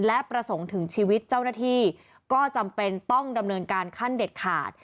และประสงค์ถึงชีวิตเจ้าหน้าที่ก็จำเป็นต้องดำเนินการขั้นเด็ดขาด